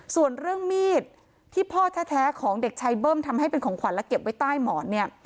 ส่วนเรื่องมีดที่พ่อแท้ของเด็กชายเบิ้มทำให้เป็นของขวัญและเก็บไว้ใต้หมอนเนี่ย